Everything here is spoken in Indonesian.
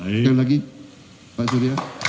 sekali lagi pak surya